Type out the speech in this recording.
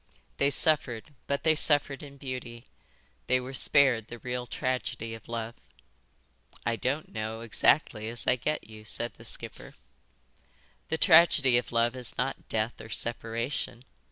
They suffered, but they suffered in beauty. They were spared the real tragedy of love." "I don't know exactly as I get you," said the skipper. "The tragedy of love is not death or separation.